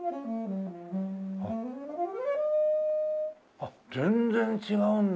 あっ全然違うんだ。